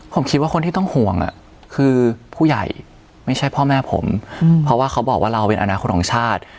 ผมคิดว่าคนที่ต้องห่วงคือผู้ใหญ่ไม่ใช่พ่อแม่ผมเพราะว่าเขาบอกว่าเราเป็นอนาคตของชาติ